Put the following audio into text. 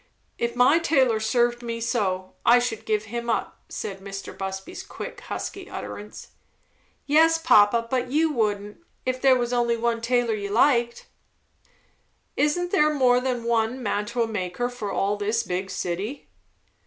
"If my tailor served me so, I should give him up," said Mr. Busby's quick, husky utterance. "Yes, papa, but you wouldn't, if there was only one tailor you liked." "Isn't there more than one mantua maker for all this big city?"